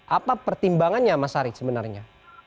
apa pertimbangannya mas harij sebenarnya